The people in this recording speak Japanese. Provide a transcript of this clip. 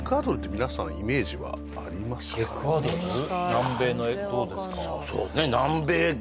南米のどうですか？